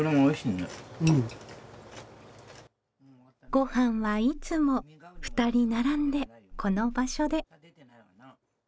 ごはんはいつも２人並んでこの場所で。